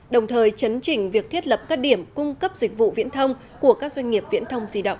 đồng thời chấn chỉnh việc thiết lập các điểm cung cấp dịch vụ viễn thông của các doanh nghiệp viễn thông di động